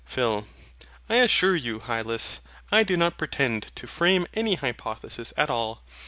PHIL. I assure you, Hylas, I do not pretend to frame any hypothesis at all.